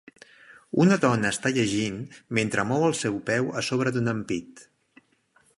Una dona està llegint mentre mou el seu peu a sobre d"un ampit.